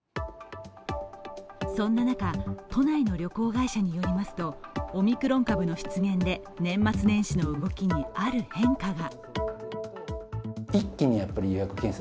そんな中、都内の旅行会社によりますとオミクロン株の出現で、年末年始の動きにある変化が。